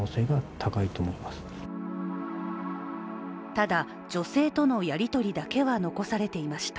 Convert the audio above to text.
ただ、女性とのやりとりだけは残されていました。